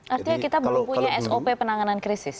artinya kita belum punya sop penanganan krisis